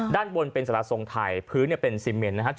ด้านบนเป็นสารทรงไทยพื้นเป็นซีเมนนะฮะ